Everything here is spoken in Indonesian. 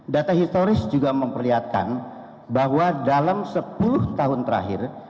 data historis juga memperlihatkan bahwa dalam sepuluh tahun terakhir